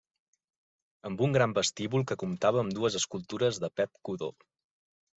Amb un gran vestíbul que comptava amb dues escultures de Pep Codó.